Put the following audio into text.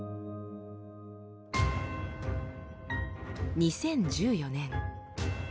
２０１４年。